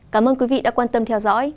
cảm ơn quý vị đã quan tâm theo dõi